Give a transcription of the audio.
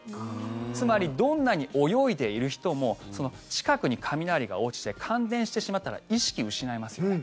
つまりどんなに泳いでいる人も近くに雷が落ちて感電してしまったら意識を失いますよね。